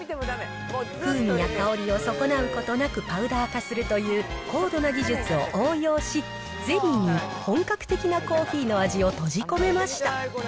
風味や香りを損なうことなくパウダー化するという高度な技術を応用し、ゼリーに本格的なコーヒーの味を閉じ込めました。